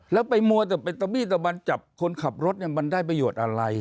แล้วไปมัวแต่เป็นตะบี้ตะบันจับคนขับรถเนี่ยมันได้ประโยชน์อะไร